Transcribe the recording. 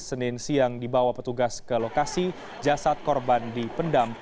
senin siang dibawa petugas ke lokasi jasad korban dipendam